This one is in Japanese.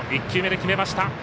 １球目で決めました。